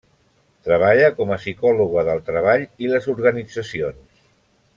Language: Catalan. Treballa com a psicòloga del treball i les organitzacions.